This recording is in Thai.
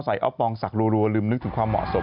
ออฟปองสักรัวลืมนึกถึงความเหมาะสม